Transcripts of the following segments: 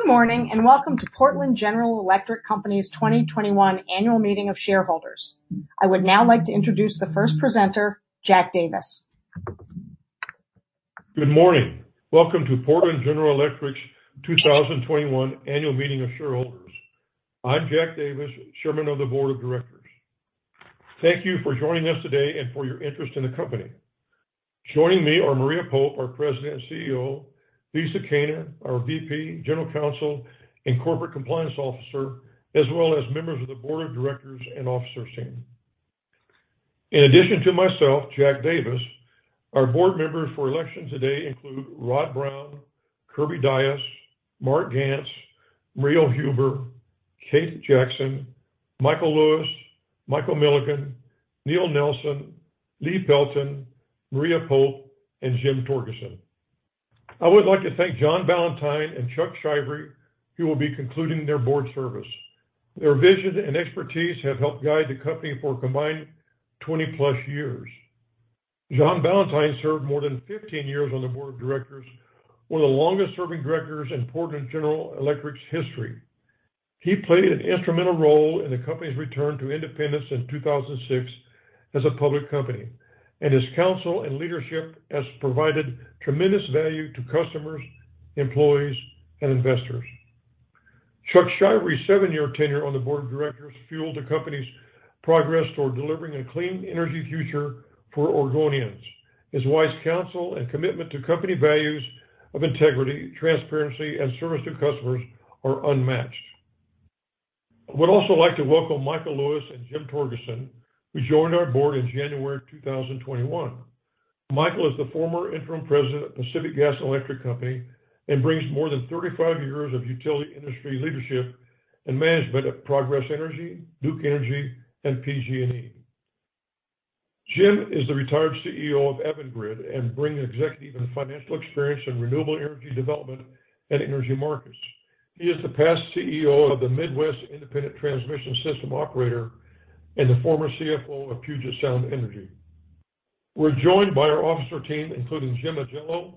Good morning, and welcome to Portland General Electric Company's 2021 annual meeting of shareholders. I would now like to introduce the first presenter, Jack Davis. Good morning. Welcome to Portland General Electric's 2021 annual meeting of shareholders. I'm Jack Davis, Chairman of the Board of directors. Thank you for joining us today and for your interest in the company. Joining me are Maria Pope, our President and CEO, Lisa Kaner, our VP, General Counsel, and Corporate Compliance Officer, as well as members of the Board of directors and officer team. In addition to myself, Jack Davis, our Board members for election today include Rod Brown, Kirby Dyess, Mark Ganz, Marie Oh Huber, Kate Jackson, Michael A. Lewis, Michael Millegan, Neil Nelson, Lee Pelton, Maria Pope, and James Torgerson. I would like to thank John Ballantine and Charles Shivery, who will be concluding their Board service. Their vision and expertise have helped guide the company for a combined 20+ years. John Ballantine served more than 15 years on the Board of directors, one of the longest-serving directors in Portland General Electric's history. He played an instrumental role in the company's return to independence in 2006 as a public company, and his counsel and leadership has provided tremendous value to customers, employees, and investors. Charles Shivery's seven-year tenure on the Board of directors fueled the company's progress toward delivering a clean energy future for Oregonians. His wise counsel and commitment to company values of integrity, transparency, and service to customers are unmatched. I would also like to welcome Michael Lewis and James Torgerson, who joined our Board in January 2021. Michael is the former Interim President of Pacific Gas and Electric Company and brings more than 35 years of utility industry leadership and management at Progress Energy, Duke Energy, and PG&E. Jim is the retired CEO of Avangrid and brings executive and financial experience in renewable energy development and energy markets. He is the past CEO of the Midwest Independent System Operator and the former CFO of Puget Sound Energy. We're joined by our officer team, including Jim Ajello,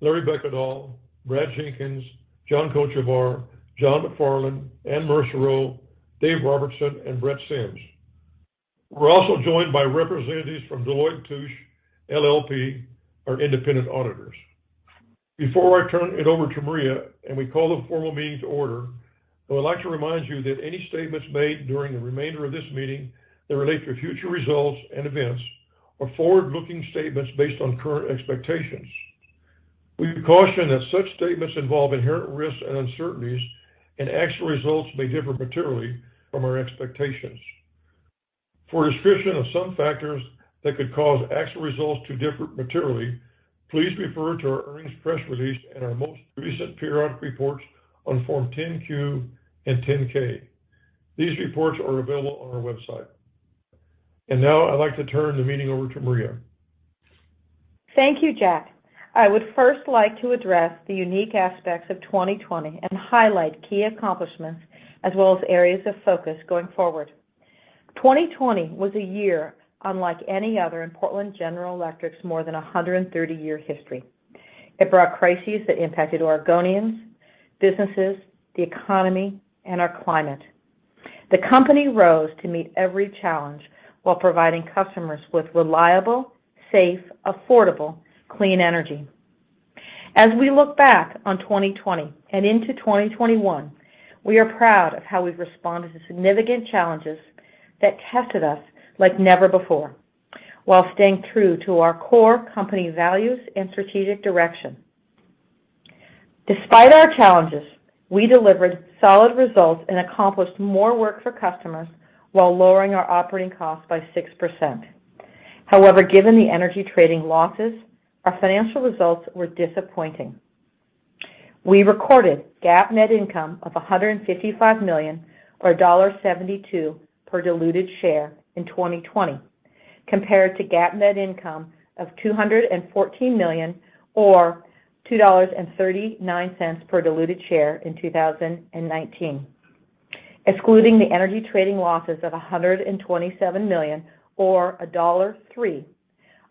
Larry Bekkedahl, Brad Jenkins, John Kochavatr, John McFarland, Anne Mersereau, Dave Robertson, and Brett Sims. We're also joined by representatives from Deloitte & Touche LLP, our independent auditors. Before I turn it over to Maria and we call the formal meeting to order, I would like to remind you that any statements made during the remainder of this meeting that relate to future results and events are forward-looking statements based on current expectations. We caution that such statements involve inherent risks and uncertainties, and actual results may differ materially from our expectations. For a description of some factors that could cause actual results to differ materially, please refer to our earnings press release and our most recent periodic reports on Form 10-Q and 10-K. These reports are available on our website. Now I'd like to turn the meeting over to Maria. Thank you, Jack. I would first like to address the unique aspects of 2020 and highlight key accomplishments as well as areas of focus going forward. 2020 was a year unlike any other in Portland General Electric's more than 130-year history. It brought crises that impacted Oregonians, businesses, the economy, and our climate. The company rose to meet every challenge while providing customers with reliable, safe, affordable, clean energy. As we look back on 2020 and into 2021, we are proud of how we've responded to significant challenges that tested us like never before while staying true to our core company values and strategic direction. Despite our challenges, we delivered solid results and accomplished more work for customers while lowering our operating costs by 6%. However, given the energy trading losses, our financial results were disappointing. We recorded GAAP net income of $155 million, or $1.72 per diluted share in 2020, compared to GAAP net income of $214 million, or $2.39 per diluted share in 2019. Excluding the energy trading losses of $127 million, or $1.03,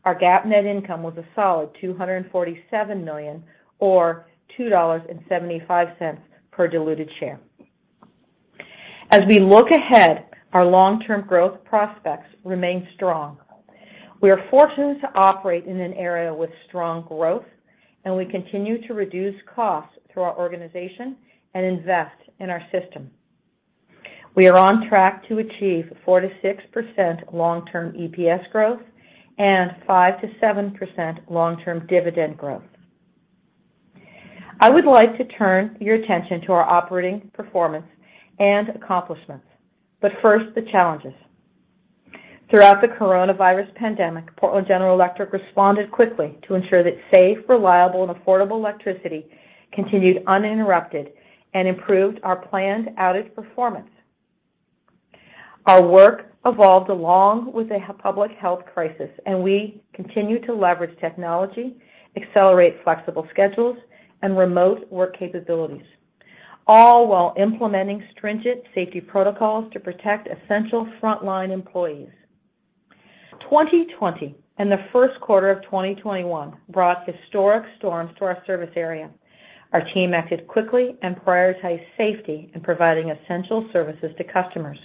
our GAAP net income was a solid $247 million or $2.75 per diluted share. As we look ahead, our long-term growth prospects remain strong. We are fortunate to operate in an area with strong growth, and we continue to reduce costs through our organization and invest in our system. We are on track to achieve 4%-6% long-term EPS growth and 5%-7% long-term dividend growth. I would like to turn your attention to our operating performance and accomplishments, but first, the challenges. Throughout the coronavirus pandemic, Portland General Electric responded quickly to ensure that safe, reliable, and affordable electricity continued uninterrupted and improved our planned outage performance. Our work evolved along with the public health crisis, and we continued to leverage technology, accelerate flexible schedules, and remote work capabilities, all while implementing stringent safety protocols to protect essential frontline employees. 2020 and the first quarter of 2021 brought historic storms to our service area. Our team acted quickly and prioritized safety in providing essential services to customers.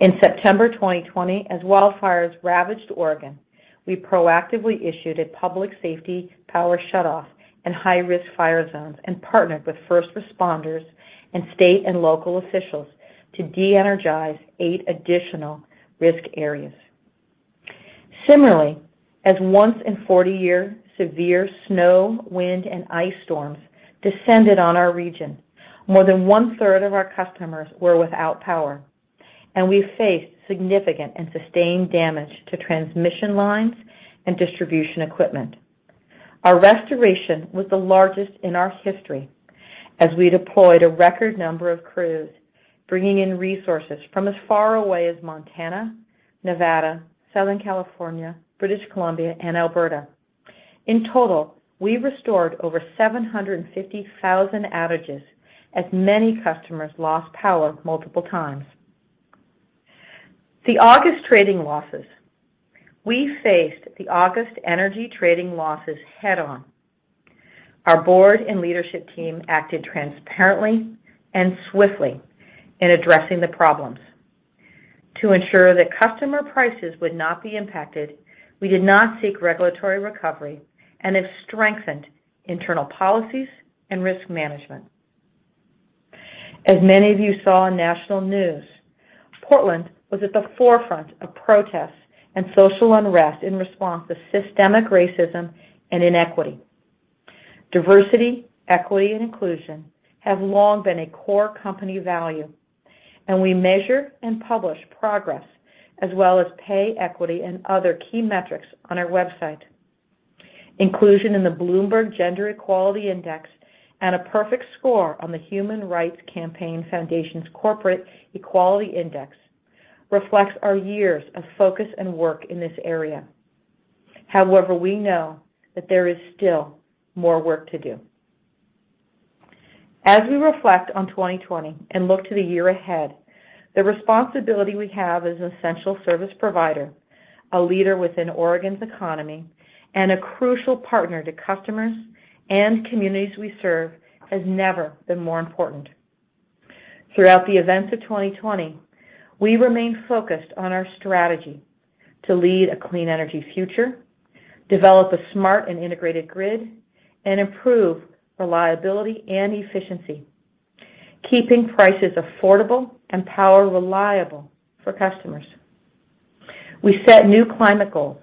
In September 2020, as wildfires ravaged Oregon, we proactively issued a Public Safety Power Shutoff in high-risk fire zones and partnered with first responders and state and local officials to de-energize eight additional risk areas. Similarly, as once in 40-year severe snow, wind, and ice storms descended on our region, more than 1/3 of our customers were without power, and we faced significant and sustained damage to transmission lines and distribution equipment. Our restoration was the largest in our history as we deployed a record number of crews, bringing in resources from as far away as Montana, Nevada, Southern California, British Columbia, and Alberta. In total, we restored over 750,000 outages as many customers lost power multiple times. The August trading losses. We faced the August energy trading losses head on. Our Board and leadership team acted transparently and swiftly in addressing the problems. To ensure that customer prices would not be impacted, we did not seek regulatory recovery and have strengthened internal policies and risk management. As many of you saw on national news, Portland was at the forefront of protests and social unrest in response to systemic racism and inequity. Diversity, Equity, and Inclusion have long been a core company value. We measure and publish progress as well as pay equity and other key metrics on our website. Inclusion in the Bloomberg Gender-Equality Index and a perfect score on the Human Rights Campaign Foundation's Corporate Equality Index reflects our years of focus and work in this area. However, we know that there is still more work to do. As we reflect on 2020 and look to the year ahead, the responsibility we have as an essential service provider, a leader within Oregon's economy, and a crucial partner to customers and communities we serve, has never been more important. Throughout the events of 2020, we remain focused on our strategy to lead a clean energy future, develop a smart and integrated grid, and improve reliability and efficiency, keeping prices affordable and power reliable for customers. We set new climate goals.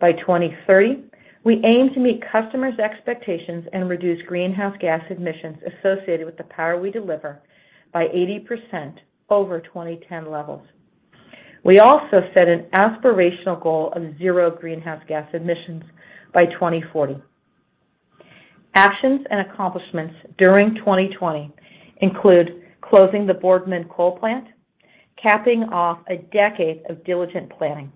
By 2030, we aim to meet customers' expectations and reduce greenhouse gas emissions associated with the power we deliver by 80% over 2010 levels. We also set an aspirational goal of zero greenhouse gas emissions by 2040. Actions and accomplishments during 2020 include closing the Boardman Coal Plant, capping off a decade of diligent planning.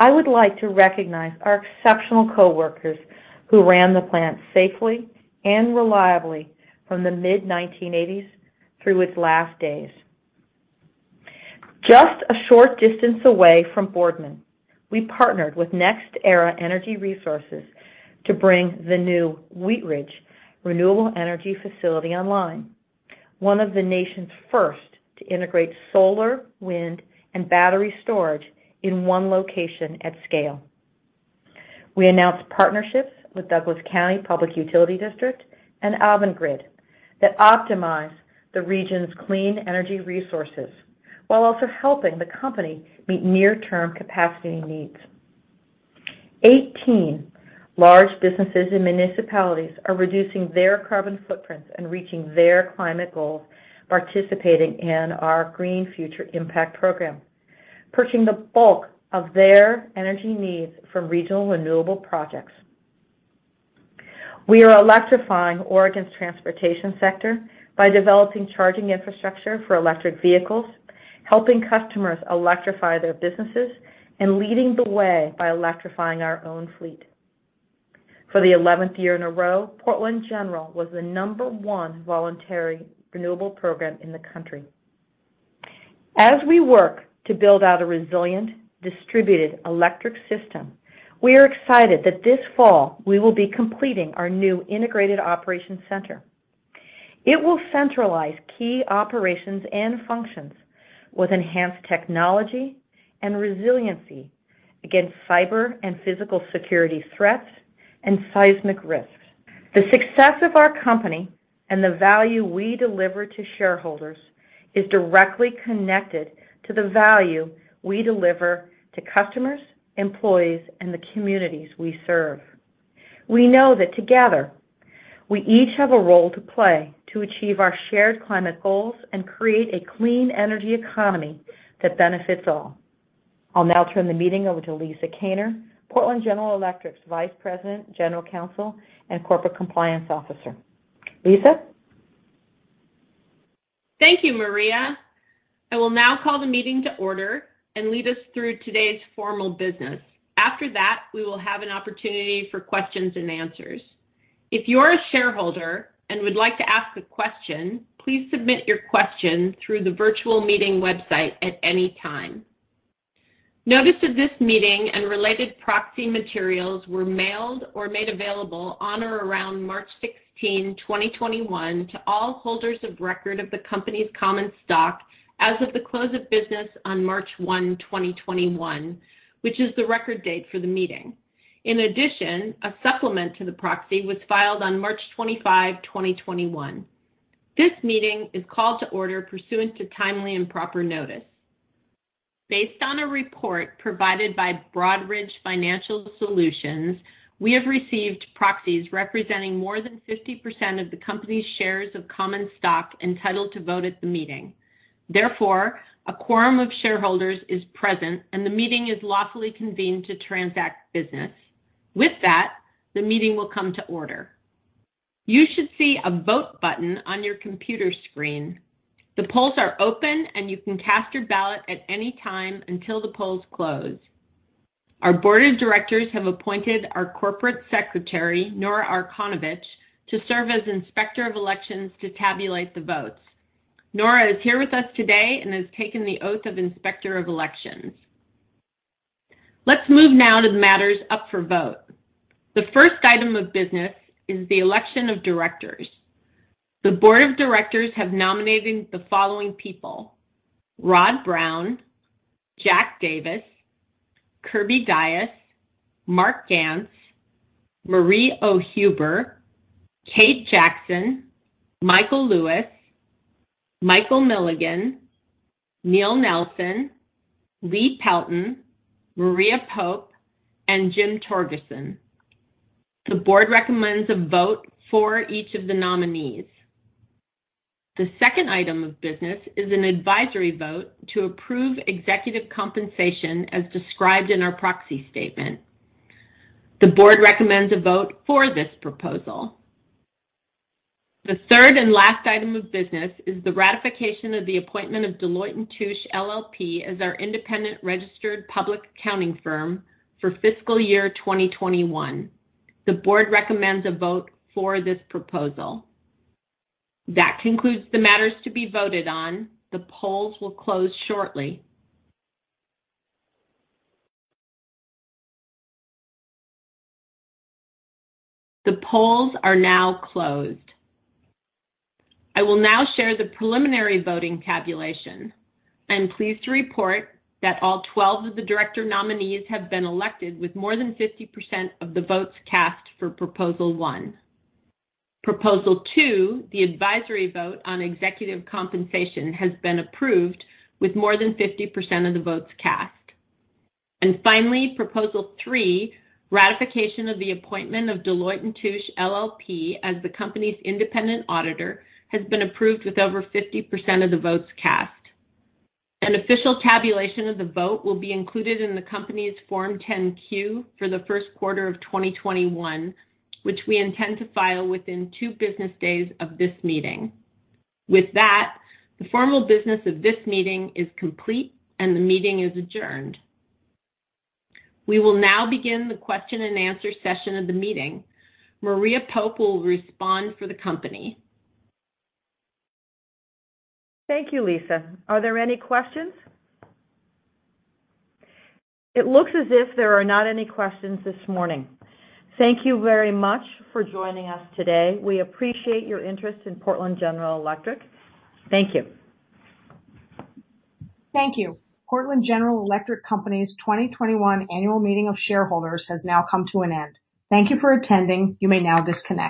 I would like to recognize our exceptional coworkers who ran the plant safely and reliably from the mid-1980s through its last days. Just a short distance away from Boardman, we partnered with NextEra Energy Resources to bring the new Wheatridge Renewable Energy Facility online, one of the nation's first to integrate solar, wind, and battery storage in one location at scale. We announced partnerships with Douglas County Public Utility District and Avangrid that optimize the region's clean energy resources while also helping the company meet near-term capacity needs. 18 large businesses and municipalities are reducing their carbon footprints and reaching their climate goals participating in our Green Future Impact program, purchasing the bulk of their energy needs from regional renewable projects. We are electrifying Oregon's transportation sector by developing charging infrastructure for electric vehicles, helping customers electrify their businesses, and leading the way by electrifying our own fleet. For the 11th year in a row, Portland General was the number one voluntary renewable program in the country. As we work to build out a resilient, distributed electric system, we are excited that this fall we will be completing our new integrated operations center. It will centralize key operations and functions with enhanced technology and resiliency against cyber and physical security threats and seismic risks. The success of our company and the value we deliver to shareholders is directly connected to the value we deliver to customers, employees, and the communities we serve. We know that together, we each have a role to play to achieve our shared climate goals and create a clean energy economy that benefits all. I'll now turn the meeting over to Lisa Kaner, Portland General Electric's Vice President, General Counsel, and Corporate Compliance Officer. Lisa? Thank you, Maria. I will now call the meeting to order and lead us through today's formal business. After that, we will have an opportunity for questions and answers. If you're a shareholder and would like to ask a question, please submit your question through the virtual meeting website at any time. Notice of this meeting and related proxy materials were mailed or made available on or around March 16, 2021, to all holders of record of the company's common stock as of the close of business on March 1, 2021, which is the record date for the meeting. In addition, a supplement to the proxy was filed on March 25, 2021. This meeting is called to order pursuant to timely and proper notice. Based on a report provided by Broadridge Financial Solutions, we have received proxies representing more than 50% of the company's shares of common stock entitled to vote at the meeting. Therefore, a quorum of shareholders is present, and the meeting is lawfully convened to transact business. With that, the meeting will come to order. You should see a vote button on your computer screen. The polls are open, and you can cast your ballot at any time until the polls close. Our Board of directors have appointed our Corporate Secretary, Nora Arkonovich, to serve as Inspector of Elections to tabulate the votes. Nora is here with us today and has taken the oath of Inspector of Elections. Let's move now to the matters up for vote. The first item of business is the election of directors. The Board of directors have nominated the following people: Rod Brown, Jack Davis, Kirby Dyess, Mark Ganz, Marie Oh Huber, Kate Jackson, Michael A. Lewis, Michael Millegan, Neil Nelson, Lee Pelton, Maria Pope, and James Torgerson. The Board recommends a vote for each of the nominees. The second item of business is an advisory vote to approve executive compensation as described in our proxy statement. The Board recommends a vote for this proposal. The third and last item of business is the ratification of the appointment of Deloitte & Touche LLP as our independent registered public accounting firm for fiscal year 2021. The Board recommends a vote for this proposal. That concludes the matters to be voted on. The polls will close shortly. The polls are now closed. I will now share the preliminary voting tabulation. I am pleased to report that all 12 of the director nominees have been elected with more than 50% of the votes cast for Proposal 1. Proposal 2, the advisory vote on executive compensation, has been approved with more than 50% of the votes cast. Finally, proposal three, ratification of the appointment of Deloitte & Touche LLP as the company's independent auditor, has been approved with over 50% of the votes cast. An official tabulation of the vote will be included in the company's Form 10-Q for the first quarter of 2021, which we intend to file within two business days of this meeting. With that, the formal business of this meeting is complete. The meeting is adjourned. We will now begin the question-and-answer session of the meeting. Maria Pope will respond for the company. Thank you, Lisa. Are there any questions? It looks as if there are not any questions this morning. Thank you very much for joining us today. We appreciate your interest in Portland General Electric. Thank you. Thank you. Portland General Electric Company's 2021 annual meeting of shareholders has now come to an end. Thank you for attending. You may now disconnect.